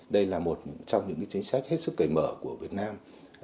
đây là một trong những chính sách hết sức cởi mở của việt nam